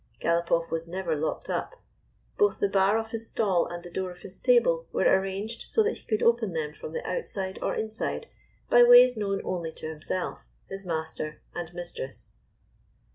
Galopoff was never locked up. Both the bar of his stall and the door of his stable were arranged so that he could open them from the outside or inside, by ways known only to himself, his master and mistress.